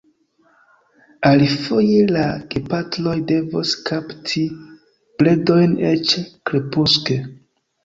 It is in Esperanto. Alifoje la gepatroj devos kapti predojn eĉ krepuske.